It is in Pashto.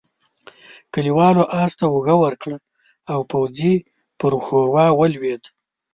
کليوالو آس ته اوږه ورکړه او پوځي پر ښوروا ولوېد.